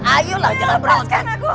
ayolah jangan berontak